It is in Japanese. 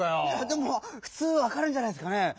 でもふつうわかるんじゃないですかね？